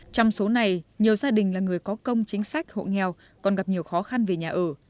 trong số này nhiều gia đình là người có công chính sách hộ nghèo còn gặp nhiều khó khăn về nhà ở